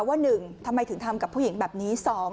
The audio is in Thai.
ว่า๑ทำไมถึงทำกับผู้หญิงแบบนี้